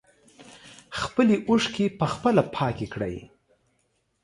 خپلې اوښکې په خپله پاکې کړئ.